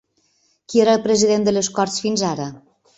Qui era el president de les Corts fins ara?